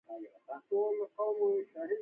کوربه د رحم او شفقت سرچینه وي.